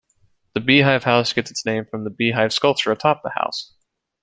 The Beehive House gets its name from the beehive sculpture atop the house.